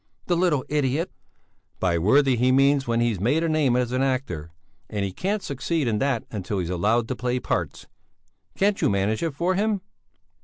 "The little idiot!" "By worthy he means when he's made a name as an actor. And he can't succeed in that until he's allowed to play parts. Can't you manage it for him?"